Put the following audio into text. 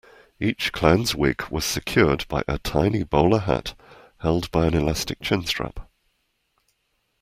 Each clown's wig was secured by a tiny bowler hat held by an elastic chin-strap.